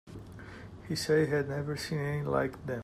He said he had never seen any like them.